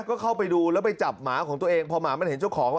ก็เข้าไปดูแล้วไปจับหมาของตัวเองพอหมามันเห็นเจ้าของ